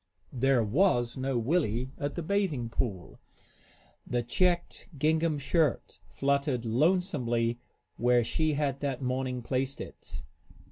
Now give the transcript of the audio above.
There was no Willie at the bathing pool. The checked gingham shirt fluttered lonesomely where she had that morning placed it.